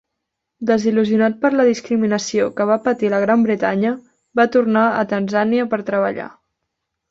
Desil·lusionat per la discriminació que va patir a la Gran Bretanya, va tornar a Tanzània per treballar.